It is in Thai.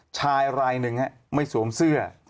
ชายรายหนึ่งไม่สวมเสื้อ